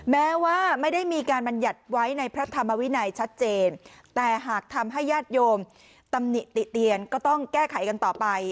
แม้ว่าไม่ได้มีการบรรยัติไว้ในพระธรรมวินัยชัดเจนแต่หากทำให้ญาติโยมตำหนิติเตียนก็ต้องแก้ไขกันต่อไป